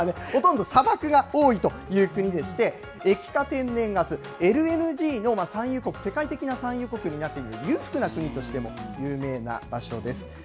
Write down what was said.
国土はほとんど砂漠が多いという国でして、液化天然ガス・ＬＮＧの産油国、世界的な産油国になっている、裕福な国としても有名な場所です。